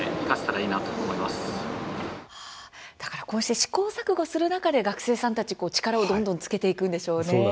こうして試行錯誤する中で学生さんたち、力をどんどんつけていくんでしょうね。